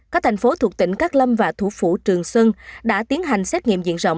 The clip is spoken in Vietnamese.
các thành phố thuộc tỉnh cát lâm và thủ phủ trường xuân đã tiến hành xét nghiệm diện rộng